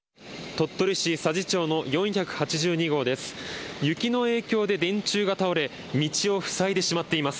鳥取市佐治町の４８２号です。